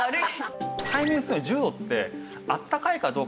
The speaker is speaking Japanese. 海面水温１０度ってあったかいかどうか。